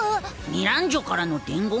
ミランジョからの伝言？